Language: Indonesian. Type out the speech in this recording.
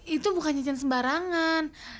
itu bukan cincin sembarangan